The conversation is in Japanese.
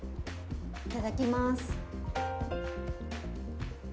いただきます。